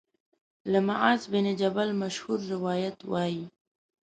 له معاذ بن جبل مشهور روایت وايي